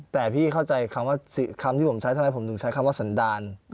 แต่พี่เข้าใจคำว่าคำที่ผมใช้ทำไมผมถึงใช้คำว่าสันดาล